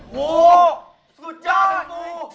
ปู่สุดยอด